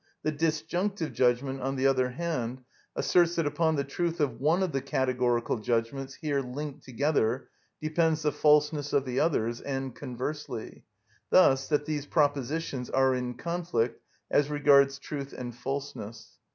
The disjunctive judgment, on the other hand, asserts that upon the truth of one of the categorical judgments here linked together depends the falseness of the others, and conversely; thus that these propositions are in conflict as regards truth and falseness.